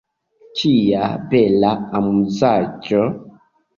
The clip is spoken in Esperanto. Kia bela amuzaĵo!